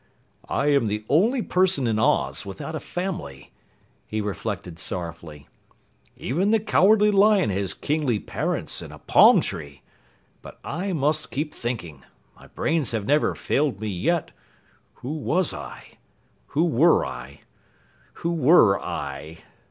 "I am the only person in Oz without a family!" he reflected sorrowfully. "Even the Cowardly Lion has kingly parents and a palm tree! But I must keep thinking. My brains have never failed me yet. Who was I? Who were I? Who were I?"